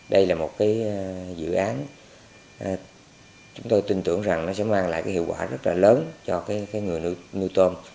đây là một cái dự án chúng tôi tin tưởng rằng nó sẽ mang lại cái hiệu quả rất là lớn cho cái người nuôi tôm